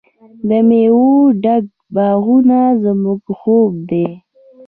د میوو ډک باغونه زموږ خوب دی.